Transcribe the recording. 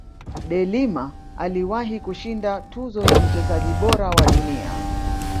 delima aliwahi kushinda tuzo ya mchezaji bora wa dunia